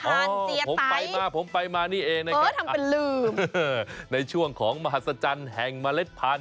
เจียตัยเออทำเป็นลืมผมไปมานี่เองนะครับในช่วงของมหัศจรรย์แห่งเมล็ดพันธุ์